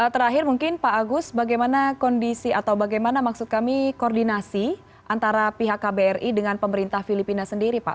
terakhir mungkin pak agus bagaimana kondisi atau bagaimana maksud kami koordinasi antara pihak kbri dengan pemerintah filipina sendiri pak